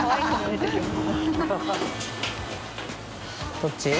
どっち？